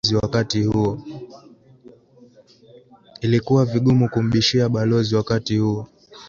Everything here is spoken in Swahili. Ilikuwa vigumu kumbishia balozi wakati huo